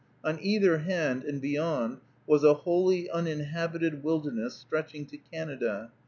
On either hand, and beyond, was a wholly uninhabited wilderness, stretching to Canada.